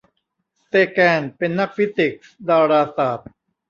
เซแกนเป็นนักฟิสิกส์ดาราศาสตร์